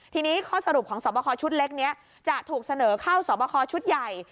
ทีนี้ข้อสรุปของสอบคอชุดเล็กนี้จะถูกเสนอเข้าสอบคอชุดใหญ่